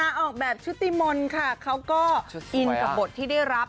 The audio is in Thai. ออกแบบชุติมนต์ค่ะเขาก็อินกับบทที่ได้รับ